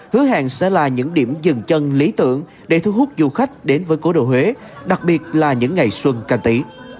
hứa hẹn sẽ là những điểm dừng chân lý tưởng để thu hút du khách đến với cố đồ huế đặc biệt là những ngày xuân canh tí